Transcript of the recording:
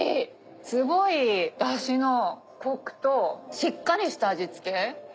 すごい出汁のコクとしっかりした味付け？